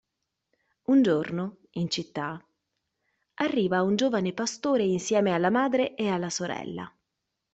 Un giorno, in città, arriva un giovane pastore insieme alla madre e alla sorella.